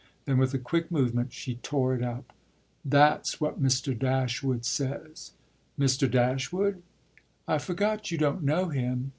Then with a quick movement she tore it up. "That's what Mr. Dashwood says." "Mr. Dashwood?" "I forgot you don't know him.